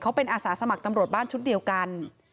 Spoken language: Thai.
เขาเป็นอาสาสมัครตำรวจบ้านชุดเดียวกัน